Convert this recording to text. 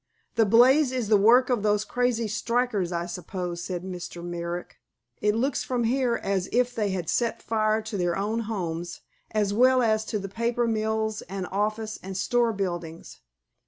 "The blaze is the work of those crazy strikers, I suppose," said Mr. Merrick. "It looks from here as if they had set fire to their own homes, as well as to the paper mills and office and store buildings.